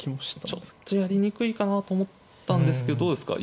ちょっとやりにくいかなと思ったんですけどどうですか。